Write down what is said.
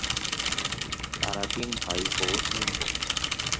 তারা তিন ভাই ও তিন বোন।